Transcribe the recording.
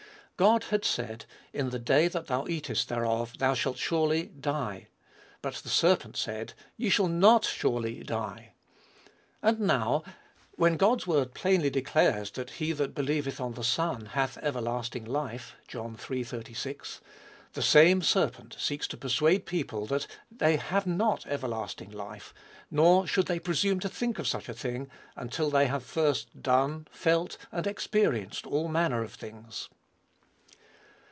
God had said, "In the day that thou eatest thereof thou shalt surely die." But the serpent said, "Ye shall not surely die." And now, when God's word plainly declares that "he that believeth on the Son hath everlasting life," (John iii. 36,) the same serpent seeks to persuade people that they have not everlasting life, nor should they presume to think of such a thing, until they have, first, done, felt, and experienced all manner of things.